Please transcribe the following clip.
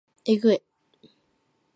えぐい